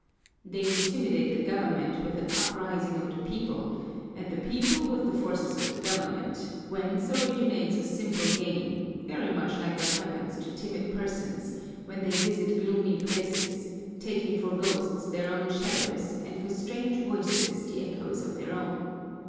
They intimidate the government with an uprising of the people and the people with the forces of the government, whence originates a simple game, very much like what happens to timid persons when they visit gloomy places, taking for ghosts their own shadows and for strange voices the echoes of their own.